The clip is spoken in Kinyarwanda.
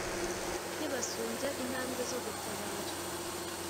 Nkibasumbya intambwe zo gutabara